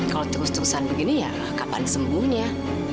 kalau terus terusan begini ya kapan sembuhnya